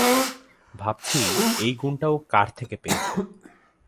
ভাবছি, এই গুণটা ও কার থেকে পেয়েছে?